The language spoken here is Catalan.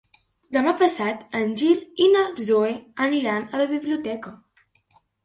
Demà passat en Gil i na Zoè aniran a la biblioteca.